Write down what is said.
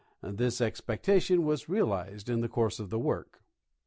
This expecta tion was realized in the course of the work.